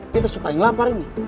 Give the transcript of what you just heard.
kita suka yang lapar ini